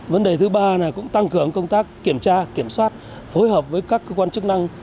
vấn đề thứ ba là cũng tăng cường công tác kiểm tra kiểm soát phối hợp với các cơ quan chức năng